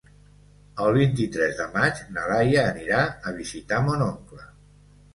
El vint-i-tres de maig na Laia anirà a visitar mon oncle.